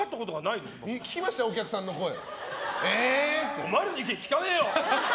お前らの意見聞かねえよ。